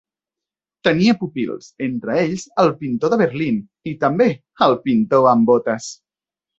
Tenia pupils, entre ells el pintor de Berlín i també el pintor amb botes.